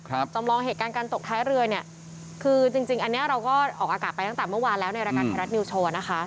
จำลองเหตุการณ์การตกท้ายเรือเนี่ยคือจริงจริงอันเนี้ยเราก็ออกอากาศไปตั้งแต่เมื่อวานแล้วในรายการไทยรัฐนิวโชว์นะคะ